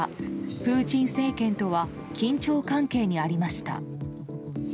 プーチン政権とは緊張関係にありました。